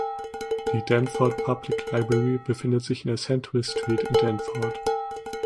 Die "Danforth Public Library" befindet sich in der Central Street in Danforth.